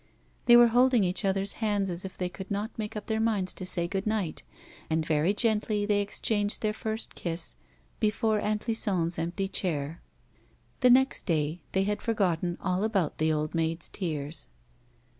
They were holding each other's hands as if they could not make up their minds to say good night, and very gently they exchanged their first kiss before Aunt Lison's empty chair. The next day they had forgotten all about the old maid's tears.